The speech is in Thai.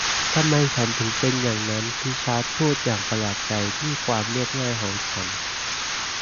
ทำไมฉันถึงเป็นอย่างนั้นริชาร์ดพูดอย่างประหลาดใจที่ความเรียบง่ายของฉัน